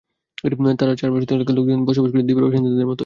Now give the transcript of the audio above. তবে চার বছর ধরে এলাকার লোকজন বসবাস করছেন দ্বীপের বাসিন্দাদের মতোই।